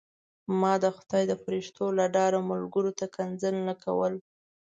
ما د خدای د فرښتو له ډاره ملګرو ته کنځل نه کول.